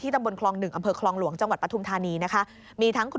ที่ตำบลคลอง๑อำเภอคลองหลวงจังหวัดปทุมธานี